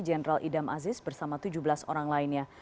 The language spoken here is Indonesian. jenderal idam aziz bersama tujuh belas orang lainnya